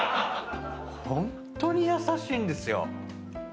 ホントに優しいんですよ。